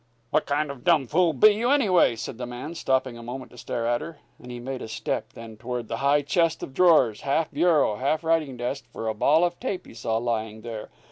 "What kind of a dumb fool be you, anyway?" said the man, stopping a moment to stare at her. And he made a step then toward the high chest of drawers, half bureau, half writing desk, for a ball of tape he saw lying there.